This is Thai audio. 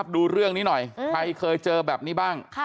ดูเรื่องนี้หน่อยใครเคยเจอแบบนี้บ้าง